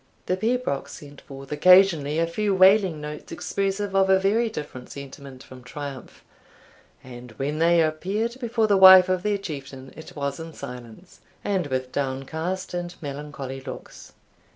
The pibroch sent forth occasionally a few wailing notes expressive of a very different sentiment from triumph; and when they appeared before the wife of their Chieftain, it was in silence, and with downcast and melancholy looks.